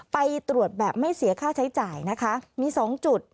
ไปตรวจแบบไม่เสียค่าใช้จ่ายนะคะมี๒จุด